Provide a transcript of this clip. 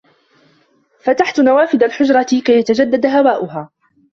فَتَحْتُ نوافذَ الْجُحْرَةِ كَيْ يَتَجَدَّدَ هَوَاؤُهَا.